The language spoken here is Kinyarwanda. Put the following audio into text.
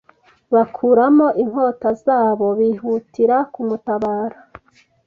bakuramo inkota zabo bihutira kumutabara